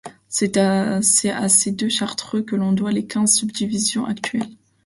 C'est à ces deux chartreux que l'on doit les quinze subdivisions actuelles.